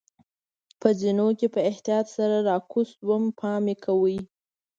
په زینو کې په احتیاط سره راکوز شوم، پام مې کاوه.